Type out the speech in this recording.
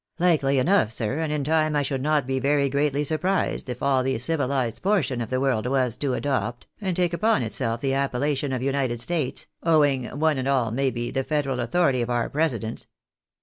" Likely enough, sir, and in time I should not be very greatly surprised if all the civilised portion of the world was to adopt, and take upon itself the appellation of United States, owning, one and all, maybe, the federal authority of our President.